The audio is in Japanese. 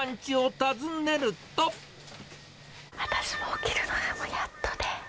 私も起きるのがもうやっとで。